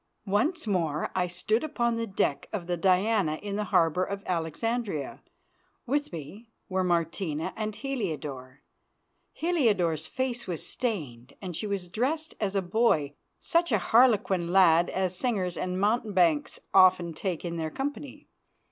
Once more I stood upon the deck of the Diana in the harbour of Alexandria. With me were Martina and Heliodore. Heliodore's face was stained and she was dressed as a boy, such a harlequin lad as singers and mountebanks often take in their company.